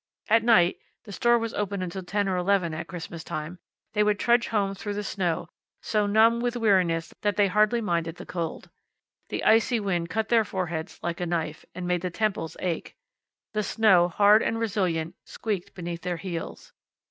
At night (the store was open until ten or eleven at Christmas time) they would trudge home through the snow, so numb with weariness that they hardly minded the cold. The icy wind cut their foreheads like a knife, and made the temples ache. The snow, hard and resilient, squeaked beneath their heels.